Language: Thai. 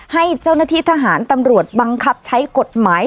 ให้เจ้าหน้าที่ทหารตำรวจบังคับใช้กฎหมาย